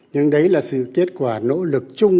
nhưng đấy là sự kết quả nỗ lực chung